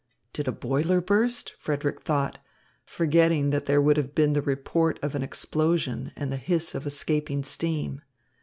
"Did a boiler burst?" Frederick thought, forgetting that there would have been the report of an explosion and the hiss of escaping steam.